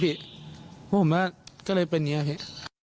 พวกผมก็เลยเป็นอย่างนี้